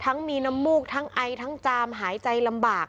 มีน้ำมูกทั้งไอทั้งจามหายใจลำบาก